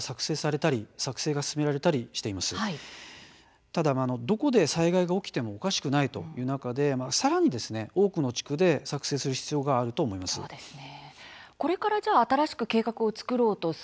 ただ、どこで災害が起きてもおかしくないという中でさらに多くの地区で作成する必要があると思います。